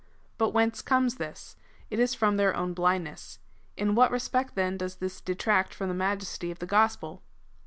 But whence comes this ? It is from their own blindness. In what respect, then, does this detract from the majesty of the gospel?"